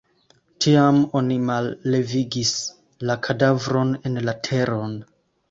Tiam oni mallevigis la kadavron en la teron.